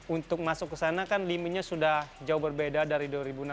untuk masuk ke sana kan limitnya sudah jauh berbeda dari dua ribu enam belas